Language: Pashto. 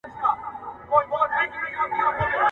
ښکار تازي کوي، خوشالي کوټه کوي.